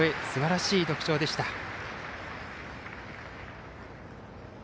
すばらしい独唱でした。